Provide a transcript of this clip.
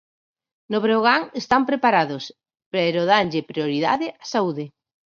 No Breogán están preparados, pero danlle prioridade á saúde.